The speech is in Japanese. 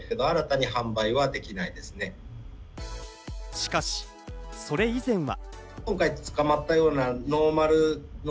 しかし、それ以前は。